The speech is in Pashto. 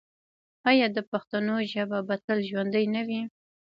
آیا د پښتنو ژبه به تل ژوندی نه وي؟